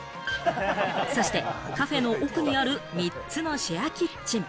そしてカフェの奥にある３つのシェアキッチン。